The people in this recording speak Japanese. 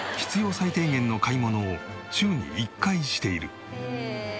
最低限の買い物を週に１回している。